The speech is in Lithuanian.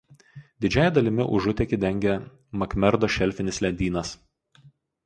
Didžiąja dalimi užutėkį dengia Makmerdo šelfinis ledynas.